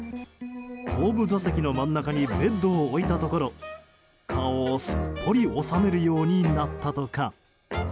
後部座席の真ん中にベッドを置いたところ顔をすっぽり収めるようになったとか。